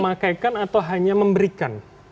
memakaikan atau hanya memberikan